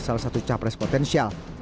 salah satu capres potensial